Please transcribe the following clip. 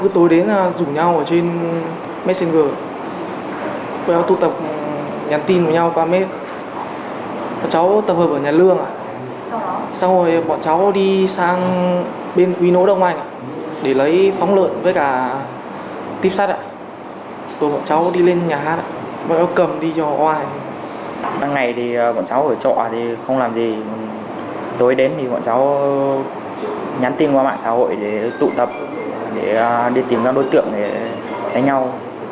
tối đến thì bọn cháu nhắn tin qua mạng xã hội để tụ tập để đi tìm ra đối tượng để đánh nhau